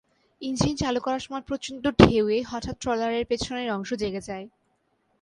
Engine চালু করার সময় প্রচণ্ড ঢেউয়ে হঠাৎ ট্রলারের পেছনের অংশ জেগে যায়।